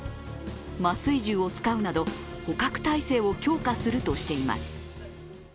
麻酔銃を使うなど捕獲態勢を強化するとしています。